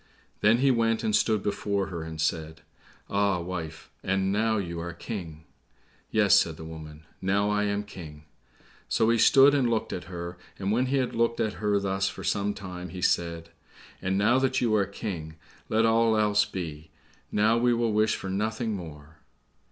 Then he went and stood before her, and said, "Ah, wife, and now you are King." "Yes," said the woman, "now I am King." So he stood and looked at her, and when he had looked at her thus for some time, he said, "And now that you are King, let all else be, now we will wish for nothing more."